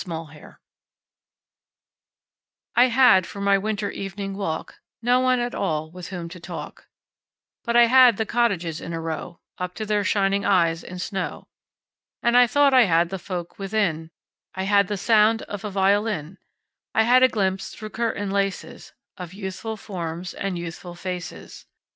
Good Hours I HAD for my winter evening walk No one at all with whom to talk, But I had the cottages in a row Up to their shining eyes in snow. And I thought I had the folk within: I had the sound of a violin; I had a glimpse through curtain laces Of youthful forms and youthful faces.